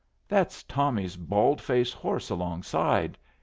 That's Tommy's bald faced horse alongside.